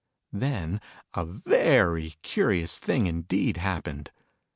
Then a very curious thing indeed happened.